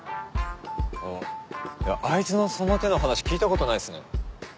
ああいつのその手の話聞いたことないっすね。